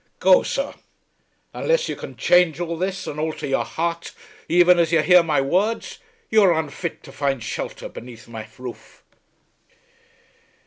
Go, sir! Unless you can change all this and alter your heart even as you hear my words, you are unfit to find shelter beneath my roof."